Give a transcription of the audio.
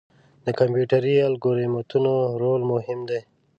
د کمپیوټري الګوریتمونو رول هم مهم دی.